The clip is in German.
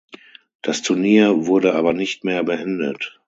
Das Turnier wurde aber nicht mehr beendet.